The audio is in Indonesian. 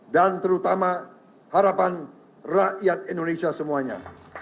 dan terutama harapan rakyat indonesia semuanya